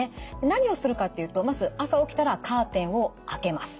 何をするかっていうとまず朝起きたらカーテンをあけます。